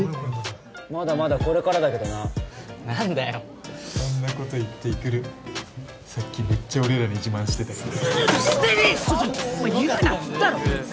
まだまだこれからだけどな何だよそんなこと言って育さっきめっちゃ俺らに自慢してたからしてねえし！